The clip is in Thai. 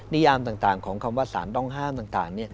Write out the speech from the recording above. ยามต่างของคำว่าสารต้องห้ามต่าง